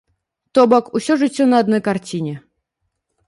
То бок, усё жыццё на адной карціне.